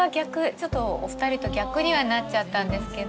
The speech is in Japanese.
ちょっとお二人と逆にはなっちゃったんですけど。